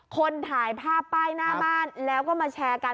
คนถ่ายภาพป้ายหน้าบ้านแล้วก็มาแชร์กัน